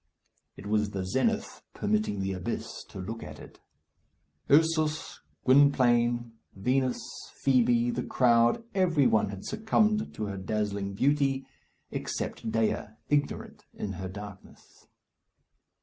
It was the Zenith permitting the Abyss to look at it. Ursus, Gwynplaine, Vinos, Fibi, the crowd, every one had succumbed to her dazzling beauty, except Dea, ignorant in her darkness.